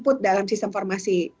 oke dari informasi